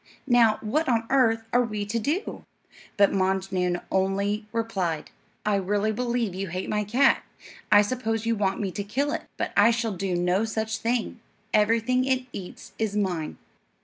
Now, what on earth are we to do?" But Maajnoon only replied: "I really believe you hate my cat. I suppose you want me to kill it; but I shall do no such thing. Everything it eats is mine."